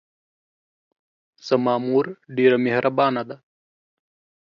زما مور ډېره محربانه ده